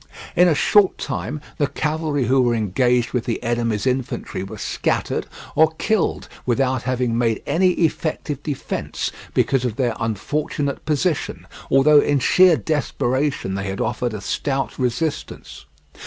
In a short time the cavalry who were engaged with the enemy's infantry were scattered or killed without having made any effective defence because of their unfortunate position, although in sheer desperation they had offered a stout resistance.